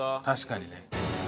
確かにね。